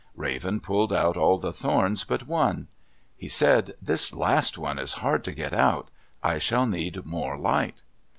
Raven pulled out all the thorns but one. He said, "This last one is hard to get out. I shall need more light."